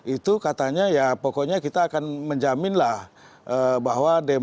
itu katanya ya pokoknya kita akan menjaminlah bahwa demokrasi